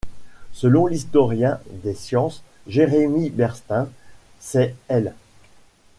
Selon l'historien des sciences Jeremy Bernstein, c'est l'.